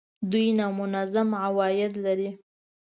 دوی نامنظم عواید لري